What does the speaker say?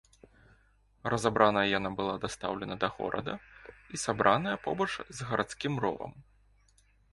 Разабраная яна была дастаўлена да горада і сабраная побач з гарадскім ровам.